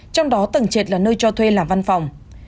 trong đó tầng trệt là nơi cho thuê làm văn phòng